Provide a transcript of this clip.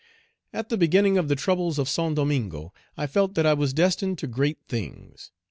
"At the beginning of the troubles of Saint Domingo, I felt that I was destined to great things.